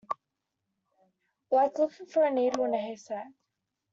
Like looking for a needle in a haystack.